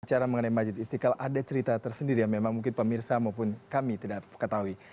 bicara mengenai majid istiqlal ada cerita tersendiri yang memang mungkin pemirsa maupun kami tidak ketahui